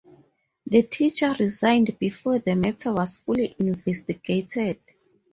The teacher resigned before the matter was fully investigated.